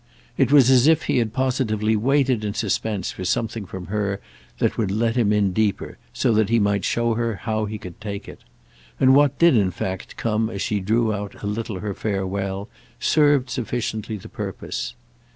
It was as if he had positively waited in suspense for something from her that would let him in deeper, so that he might show her how he could take it. And what did in fact come as she drew out a little her farewell served sufficiently the purpose.